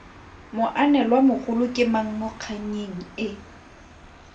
Moanelwamogolo ke mang mo kgannyeng e?